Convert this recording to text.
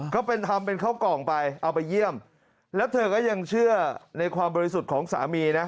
ก็เป็นทำเป็นข้าวกล่องไปเอาไปเยี่ยมแล้วเธอก็ยังเชื่อในความบริสุทธิ์ของสามีนะ